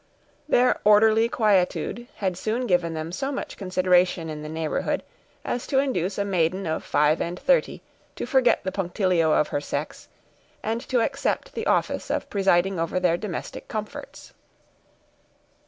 Their orderly quietude had soon given them so much consideration in the neighborhood, as to induce a maiden of five and thirty to forget the punctilio of her sex, and to accept the office of presiding over their domestic comforts.